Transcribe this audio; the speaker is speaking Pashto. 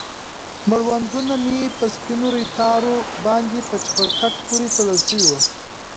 مړوندونه مې په سپينو ريتاړو باندې په چپرکټ پورې تړل سوي وو.